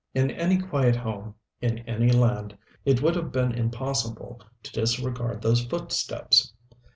In any quiet home, in any land, it would have been impossible to disregard those footsteps.